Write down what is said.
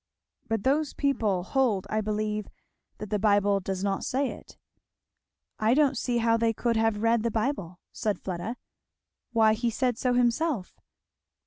"But those people hold I believe that the Bible does not say it?" "I don't see how they could have read the Bible," said Fleda. "Why he said so himself."